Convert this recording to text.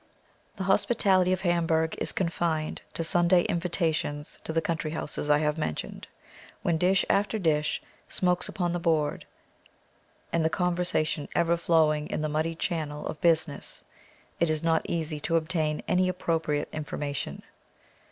The hospitality of Hamburg is confined to Sunday invitations to the country houses I have mentioned, when dish after dish smokes upon the board, and the conversation ever flowing in the muddy channel of business, it is not easy to obtain any appropriate information.